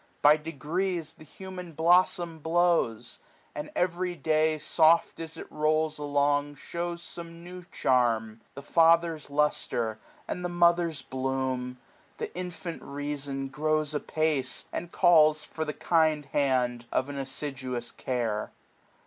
By degrees^ The human blossom blows ; and every day. Soft as it rolls along, shews some new charm^ ^^4$ The father's lustre, and the mother's bloom. The infant reason grows apace, and calls For the kind hand of an assiduous care.